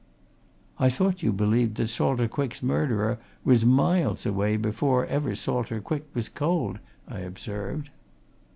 "I thought you believed that Salter Quick's murderer was miles away before ever Salter Quick was cold?" I observed.